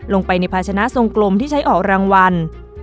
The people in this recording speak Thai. ลงไปในภาชนะทรงกลมที่ใช้ออกรางวัล